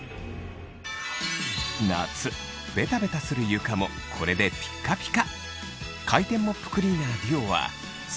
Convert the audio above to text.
夏ベタベタする床もこれでピッカピカ！